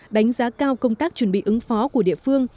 đánh giá cao công tác chuẩn bị ứng phó của địa phương